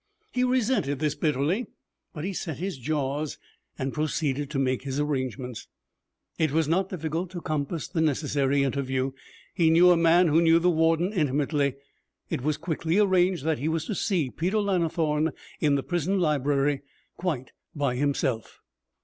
He resented this bitterly, but he set his jaws and proceeded to make his arrangements. It was not difficult to compass the necessary interview. He knew a man who knew the warden intimately. It was quickly arranged that he was to see Peter Lannithorne in the prison library, quite by himself.